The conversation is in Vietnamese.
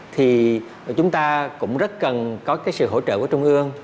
thì chúng ta cũng rất cần có sự hỗ trợ của trung ương